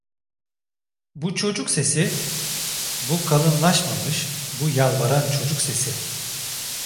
Bu çocuk sesi, bu kalınlaşmamış, bu yalvaran çocuk sesi…